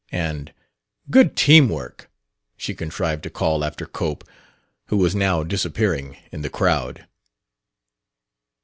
And, "Good teamwork!" she contrived to call after Cope, who was now disappearing in the crowd.